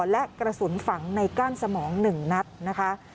และกระสุนฝังในก้านสมอง๑นัดนะคะ